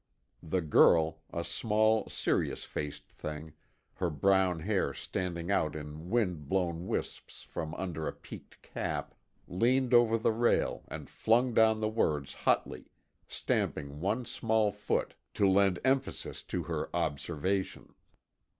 The girl, a small serious faced thing, her brown hair standing out in wind blown wisps from under a peaked cap, leaned over the rail and flung down the words hotly, stamping one small foot to lend emphasis to her observation.